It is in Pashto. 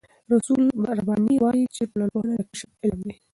رسول رباني وايي چې ټولنپوهنه د کشف علم دی.